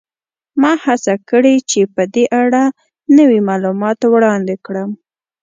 ما هڅه کړې چې په دې اړه نوي معلومات وړاندې کړم